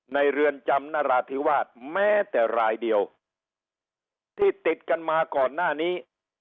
เรือนจำนราธิวาสแม้แต่รายเดียวที่ติดกันมาก่อนหน้านี้